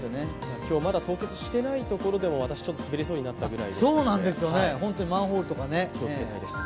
今日まだ凍結していないところでも私、滑りそうになったくらいなんで気をつけたいです。